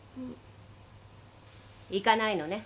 行かないのね。